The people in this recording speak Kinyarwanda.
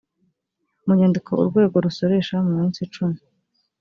mu nyandiko urwego rusoresha mu minsi cumi